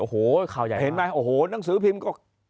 โอ้โหข่าวใหญ่เห็นไหมโอ้โหหนังสือพิมพ์ก็